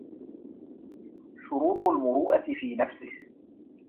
شُرُوطُ الْمُرُوءَةِ فِي نَفْسِهِ